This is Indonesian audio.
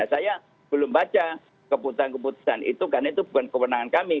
saya belum baca keputusan keputusan itu karena itu bukan kewenangan kami